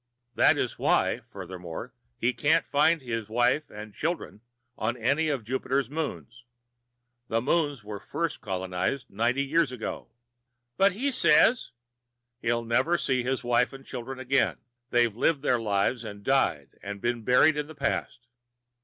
That is why, furthermore, he can't find his wife and children on any of Jupiter's moons. The moons were first colonized ninety years ago." "But he says " "He'll never see his wife and children again. They've lived their lives and died and been buried in the past.